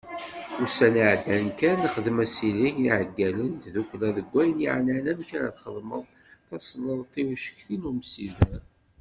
Ussan iɛeddan kan, nexdem asileɣ i yiɛeggalen n tddukkla deg wayen yeɛnan amek ara txedmeḍ tasleḍt i ucekti n umsider.